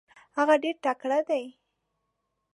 هغه ډېر تکړه دی.